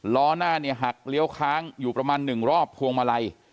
ล้อหน้าเนี่ยหักเลี้ยวค้างอยู่ประมาณ๑รอบพวงมาลัย